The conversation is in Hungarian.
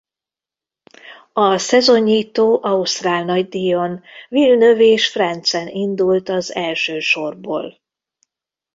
A szezonnyitó ausztrál nagydíjon Villeneuve és Frentzen indult az első sorból.